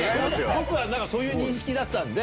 僕はそういう認識だったんで。